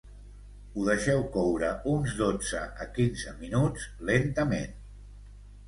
Ho deixeu coure uns dotze a quinze minuts, lentament